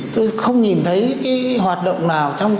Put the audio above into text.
tôi không nhìn thấy hoạt động nào